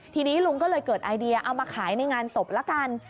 ทีนี้ลุงก็เลยเกิดไอเดียเอามาขายในงานศพละกัน